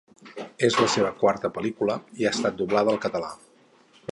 És la seva quarta pel·lícula, i ha estat doblada al català.